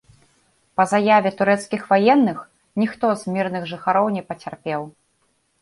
Па заяве турэцкіх ваенных, ніхто з мірных жыхароў не пацярпеў.